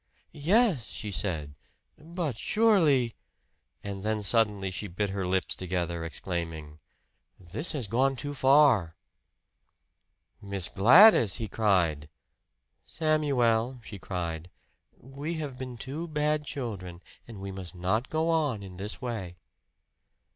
"Yes," she said, "but surely " And then suddenly she bit her lips together exclaiming, "This has gone too far!" "Miss Gladys!" he cried. "Samuel," she said, "we have been two bad children; and we must not go on in this way."